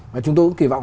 và chúng tôi cũng kỳ vọng